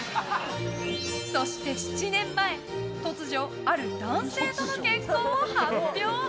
そして７年前突如、ある男性との結婚を発表。